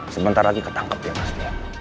sebentar lagi ketangkep ya mas